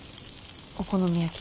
お好み焼き。